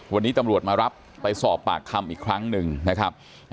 วันนี้ตำรวจมารับไปสอบปากคำอีกครั้งหนึ่งนะครับ